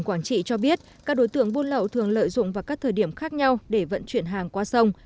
quảng trị cho biết các đối tượng buôn lậu thường lợi dụng vào các thời điểm khác nhau để vận chuyển hàng qua sông